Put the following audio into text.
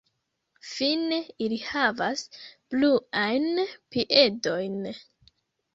Fine ili havas bluajn piedojn.